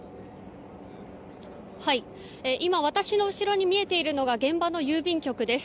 今私の後ろに見えているのが現場の郵便局です。